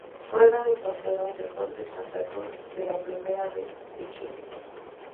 Juega de portero en Deportes Santa Cruz de la Primera B de Chile.